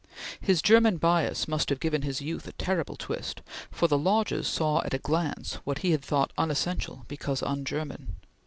His German bias must have given his youth a terrible twist, for the Lodges saw at a glance what he had thought unessential because un German.